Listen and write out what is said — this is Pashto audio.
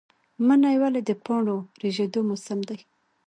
منی ولې د پاڼو ریژیدو موسم دی؟